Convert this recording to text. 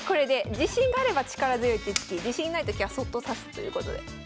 自信があれば力強い手つき自信ないときはそっと指すということで。